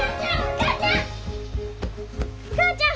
・お母ちゃん！